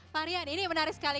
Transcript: pak rian ini menarik sekali